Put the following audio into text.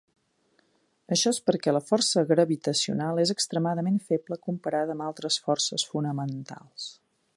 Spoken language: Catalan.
Això és perquè la força gravitacional és extremadament feble comparada amb altres forces fonamentals.